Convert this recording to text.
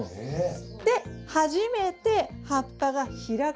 で初めて葉っぱが開く。